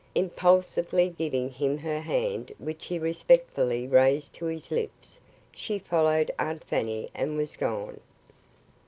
Impulsively giving him her hand which he respectfully raised to his lips, she followed Aunt Fanny and was gone.